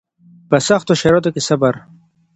په سختو شرایطو کې صبر